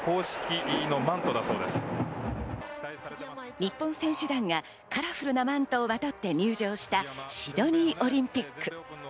日本選手団がカラフルなマントをまとって入場したシドニーオリンピック。